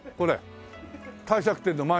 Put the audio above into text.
帝釈天の前に。